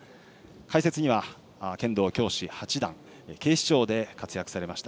解説には剣道教士八段警視庁で活躍されました